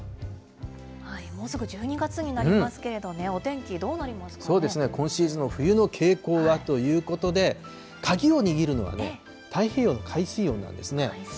もうすぐ１２月になりますけれどね、お天気、どうなりますか今シーズンの冬の傾向はということで、鍵を握るのはね、太平洋の海水温なんですね。